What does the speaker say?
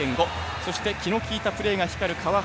そして、気の利いたプレーが光る川原。